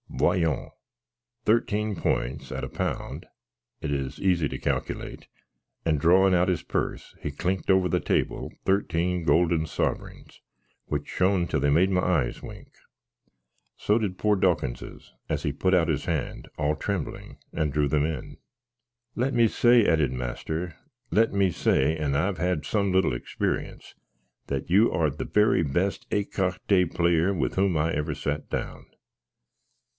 Voyons: thirteen points, at a pound it is easy to calculate;" and, drawin out his puss, he clinked over the table 13 goolden suverings, which shon till they made my eyes wink. So did pore Dawkinses, as he put out his hand, all trembling, and drew them in. "Let me say," added master, "let me say (and I've had some little experience), that you are the very best écarté player with whom I ever sat down."